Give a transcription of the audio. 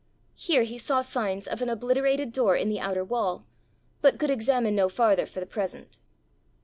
Here he saw signs of an obliterated door in the outer wall, but could examine no farther for the present.